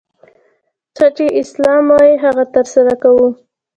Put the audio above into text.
څه چي اسلام وايي هغه ترسره کوه!